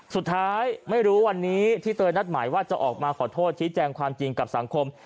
สุดท้ายไม่รู้วันนี้ที่เตยนัดหมายว่าจะออกมาขอโทษชี้แจงความจริงกับสังคม